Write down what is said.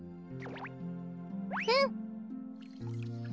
うん！